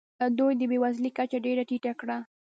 دوی د بې وزلۍ کچه ډېره ټیټه کړه.